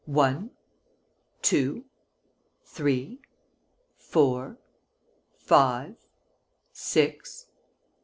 One, two, three, four, five, six